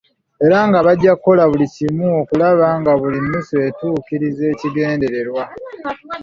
Era nga bajja kukola buli kimu okulaba nga buli nnusu etuukiriza ekigendererwa.